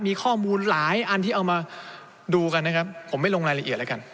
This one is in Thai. มีข้อมูลหลายอันที่เอามาดูกันนะครับผมไม่ลงรายละเอียดแล้วกัน